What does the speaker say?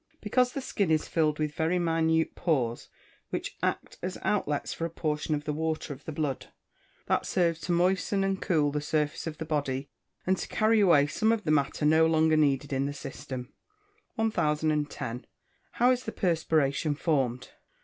_ Because the skin is filled with very minute pores, which act as outlets for a portion of the water of the blood, that serves to moisten and cool the surface of the body, and to carry away some of the matter no longer needed in the system. 1010. _How is the perspiration formed?